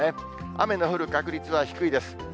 雨の降る確率は低いです。